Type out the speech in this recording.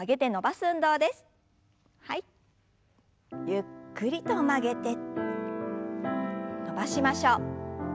ゆっくりと曲げて伸ばしましょう。